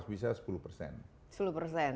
sampai selesai kedua tabung rekomendasi di sini